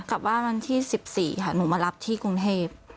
กลับบ้านวันที่๑๔ค่ะหนูมารับที่กรุงเทพ